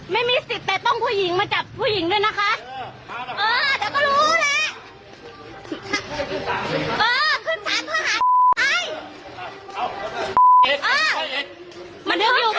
ไม่มีสิทธิ์แต่ต้องผู้หญิงมาจับผู้หญิงด้วยนะคะ